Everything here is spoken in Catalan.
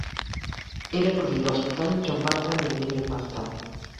Era cosí dels botànics John Bartram i William Bartram.